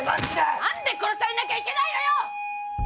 何で殺されなきゃいけないのよ！